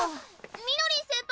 みのりん先輩！